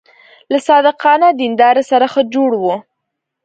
له صادقانه دیندارۍ سره ښه جوړ و.